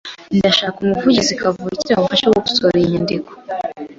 Ndashaka umuvugizi kavukire wamfasha gukosora iyi nyandiko.